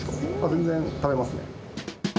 全然食べますね。